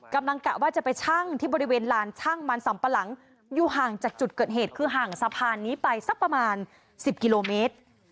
กะว่าจะไปชั่งที่บริเวณลานช่างมันสำปะหลังอยู่ห่างจากจุดเกิดเหตุคือห่างสะพานนี้ไปสักประมาณ๑๐กิโลเมตร